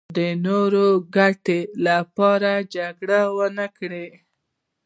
د نورو د ګټو لپاره جګړه ونکړي.